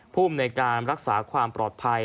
ผู้อำนวยการรักษาความปลอดภัย